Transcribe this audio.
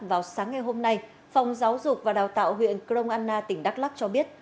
vào sáng ngày hôm nay phòng giáo dục và đào tạo huyện crong anna tỉnh đắk lắc cho biết